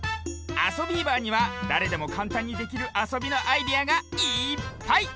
「あそビーバー」にはだれでもかんたんにできるあそびのアイデアがいっぱい！